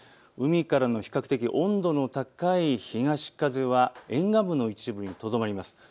海からの比較的温度の高い東風は沿岸部の一部にとどまります。